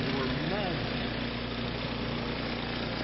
They were men!"